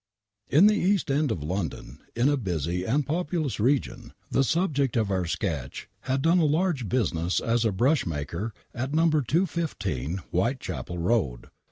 In the East End of London, in a busy and populous region, the subject of our fiketcl. had done a large business as a brush maker at !N^o. 215 Whiteehapel Eoad.